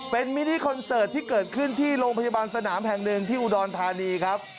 เป็นมินิคอนเสิร์ตที่เกิดขึ้นที่โรงพยาบาลสนามแห่งหนึ่งที่อุดรธานีครับ